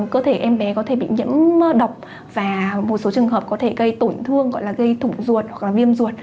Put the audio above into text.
cơ thể em bé có thể bị nhiễm độc và một số trường hợp có thể gây tổn thương gọi là gây thủng ruột hoặc là viêm ruột